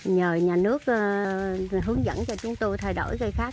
nhờ nhà nước hướng dẫn cho chúng tôi thay đổi cây khác